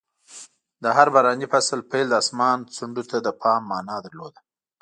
د هر باراني فصل پیل د اسمان ځنډو ته د پام مانا درلود.